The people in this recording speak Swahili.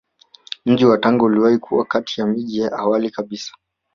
Mji wa Tanga uliwahi kuwa kati ya miji ya awali kabisa